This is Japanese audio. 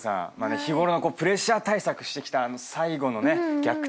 日頃のプレッシャー対策してきた最後の逆転